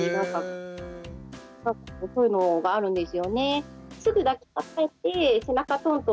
そういうのがあるんですよね。